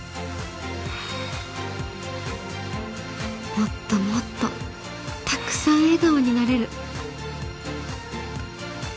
［もっともっとたくさん笑顔になれる］